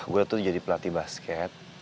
gue tuh jadi pelatih basket